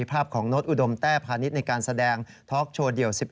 ภาพของโน๊ตอุดมแต้พาณิชย์ในการแสดงท็อกโชว์เดี่ยว๑๑